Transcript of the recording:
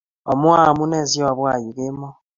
Omwa amune siobwa yu kemoi